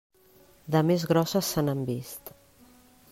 De més grosses se n'han vist.